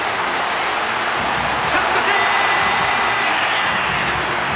勝ち越し！